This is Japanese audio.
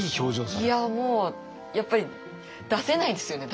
いやもうやっぱり出せないですよね。